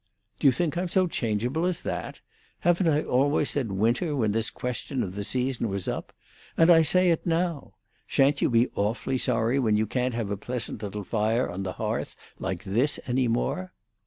"Do you think I'm so changeable as that? Haven't I always said winter when this question of the seasons was up? And I say it now. Shan't you be awfully sorry when you can't have a pleasant little fire on the hearth like this any more?"